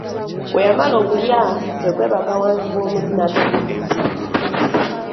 Bwe yamala okulya kwe kwebaka wansi w'omuti n'atandika okufuluta.